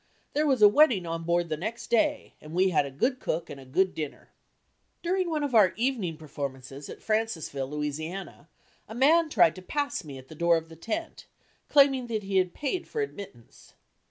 There was a wedding on board the next day and we had a good cook and a good dinner. During one of our evening performances at Francisville, Louisiana, a man tried to pass me at the door of the tent, claiming that he had paid for admittance.